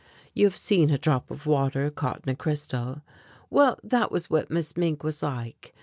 You have seen a drop of water caught in a crystal? Well, that was what Miss Mink was like.